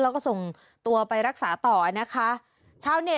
แล้วก็ส่งตัวไปรักษาต่อนะคะ